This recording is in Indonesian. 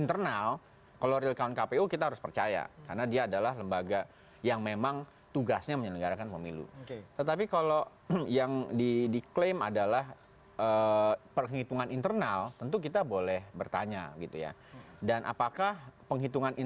terima kasih pak bung kondi